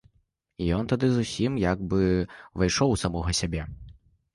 Ён тады зусім як бы ўвайшоў у самога сябе.